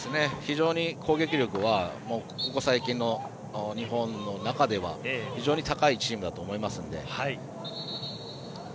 攻撃力はここ最近の日本の中では非常に高いチームだと思いますので。